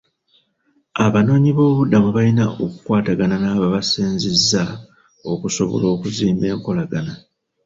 Abanoonyiboobubudamu bayina okukwatagaana n'ababasenzezza okusobola okuzimba ekolagana.